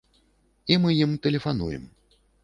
І мы ім тэлефануем.